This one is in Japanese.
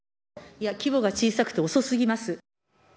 規模が小さくて遅すぎます。